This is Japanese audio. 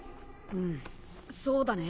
うんそうだね。